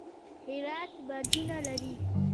هرات بادونه لري